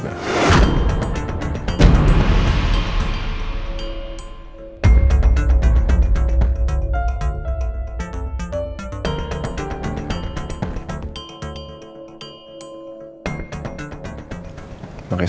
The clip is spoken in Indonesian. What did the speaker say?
maka saya penasaran